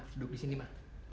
duduk disini ma